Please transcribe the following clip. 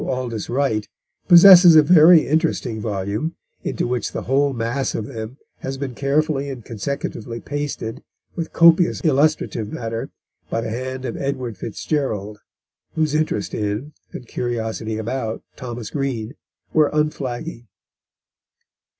Aldis Wright, possesses a very interesting volume, into which the whole mass of them has been carefully and consecutively pasted, with copious illustrative matter, by the hand of Edward FitzGerald, whose interest in and curiosity about Thomas Green were unflagging.